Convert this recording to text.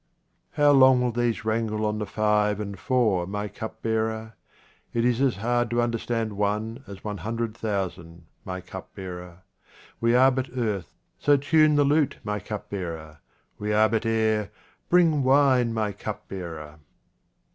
How long will these wrangle on the five and four, my cupbearer ? It is as hard to under stand one as one hundred thousand, my cup 29 QUATRAINS OF OMAR KHAYYAM bearer ; we are but earth, so tune the lute, my cupbearer ; we are but air, bring wine, my cupbearer